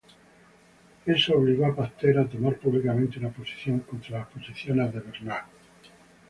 Eso obligó a Pasteur a tomar públicamente una posición contra las posiciones de Bernard.